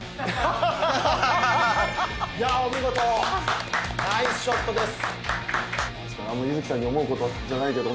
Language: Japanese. いやお見事ナイスショットです。